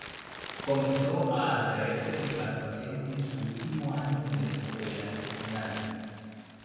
Comenzó a atraerse por la actuación en su último año en la escuela secundaria.